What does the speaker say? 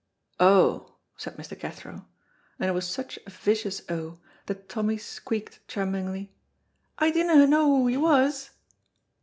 "Oh!" said Mr. Cathro, and it was such a vicious oh that Tommy squeaked tremblingly, "I dinna know who he was."